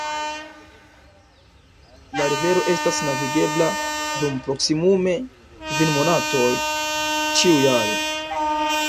La rivero estas navigebla dum proksimume kvin monatoj ĉiujare.